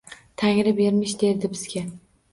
Tangri bermish, derdi, bizga